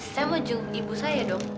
saya mau jumpa ibu saya dok